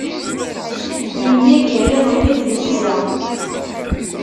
Yemyager iḍelli d Lwiza.